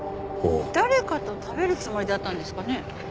誰かと食べるつもりだったんですかね？